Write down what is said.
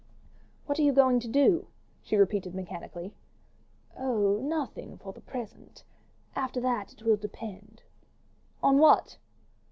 "What are you going to do?" she repeated mechanically. "Oh, nothing for the present. After that it will depend." "On what?"